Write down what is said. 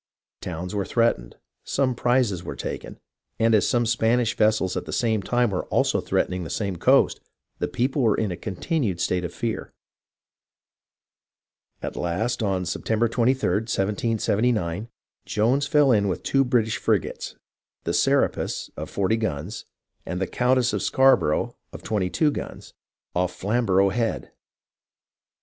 Towns were threatened, some prizes were taken, and as some Spanish vessels at the same time were also threatening the same coast, the people were in a continued state of fear. At last on September 23d, 1779, Jones fell in with two British frigates, the Serapis of 40 guns and the Countess of Scarborough of 22 guns, off Flamborough Head.